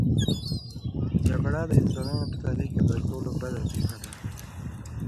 جګړه د انسانانو په تاریخ کې تر ټولو بده پېښه ده.